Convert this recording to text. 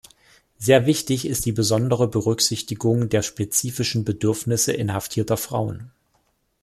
Sehr wichtig ist die besondere Berücksichtigung der spezifischen Bedürfnisse inhaftierter Frauen.